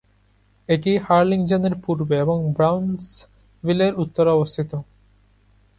এটি হার্লিংজেনের পূর্বে এবং ব্রাউনসভিলের উত্তরে অবস্থিত।